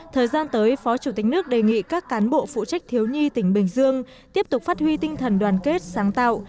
thời gian tới phó chủ tịch nước đề nghị các cán bộ phụ trách thiếu nhi tỉnh bình dương tiếp tục phát huy tinh thần đoàn kết sáng tạo